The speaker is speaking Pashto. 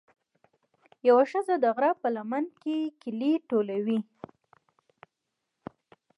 یوه ښځه د غره په لمن کې ګلې ټولولې.